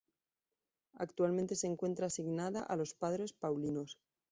Actualmente se encuentra asignada a los padres paulinos.